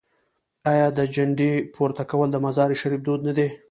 آیا د جنډې پورته کول د مزار شریف دود نه دی؟